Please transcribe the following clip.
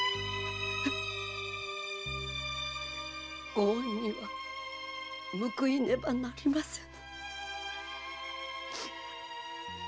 ご恩には報いねばなりません。